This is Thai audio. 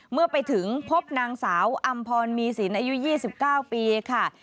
เมื่อไปถึงพบนางสาวอำพรมีสินอายุ๒๙ปีค่ะ